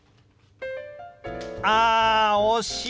あ惜しい！